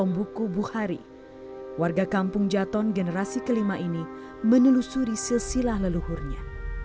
buku buhari warga kampung jaton generasi kelima ini menelusuri sesilah leluhurnya